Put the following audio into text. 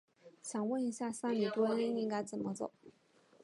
想问一下，三里屯该怎么走？